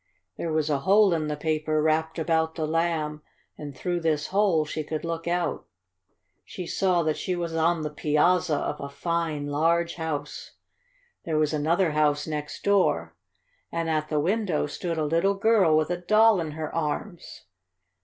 There was a hole in the paper wrapped about the Lamb, and through this hole she could look out. She saw that she was on the piazza of a fine, large house. There was another house next door, and at the window stood a little girl with a doll in her arms.